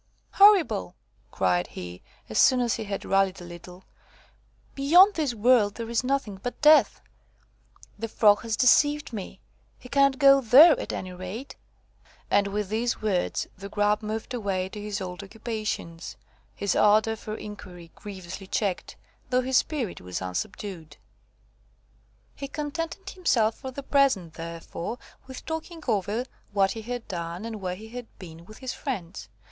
"Horrible!" cried he, as soon as he had rallied a little. "Beyond this world there is nothing but death. The Frog has deceived me. He cannot go there, at any rate." And with these words, the Grub moved away to his old occupations, his ardour for inquiry grievously checked, though his spirit was unsubdued. He contented himself for the present, therefore, with talking over what he had done, and where he had been, with his friends.